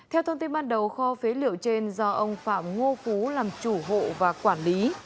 theo thông tin ban đầu kho phế liệu trên do ông phạm ngô phú làm chủ hộ và quản lý